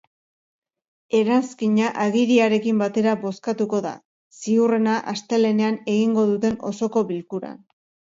Eranskina agiriarekin batera bozkatuko da, ziurrena astelehenean egingo duten osoko bilkuran.